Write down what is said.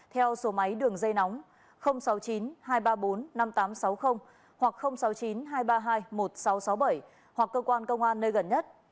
theo số máy đường dây nóng sáu mươi chín hai trăm ba mươi bốn năm nghìn tám trăm sáu mươi hoặc sáu mươi chín hai trăm ba mươi hai một nghìn sáu trăm sáu mươi bảy hoặc cơ quan công an nơi gần nhất